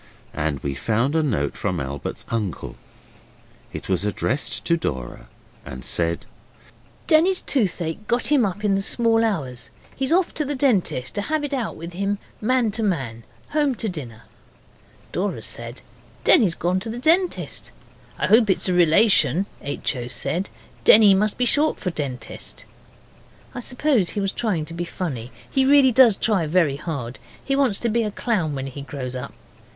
And we found a note from Albert's uncle. It was addressed to Dora, and said 'Denny's toothache got him up in the small hours. He's off to the dentist to have it out with him, man to man. Home to dinner.' Dora said, 'Denny's gone to the dentist.' 'I expect it's a relation,' H. O. said. 'Denny must be short for Dentist.' I suppose he was trying to be funny he really does try very hard. He wants to be a clown when he grows up.